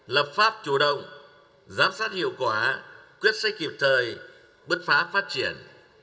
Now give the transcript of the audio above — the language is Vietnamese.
lập pháp chủ động giám sát hiệu quả quyết xét kịp thời bước phá phát triển